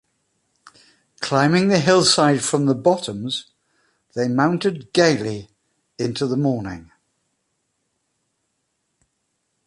Climbing the hillside from the Bottoms, they mounted gaily into the morning.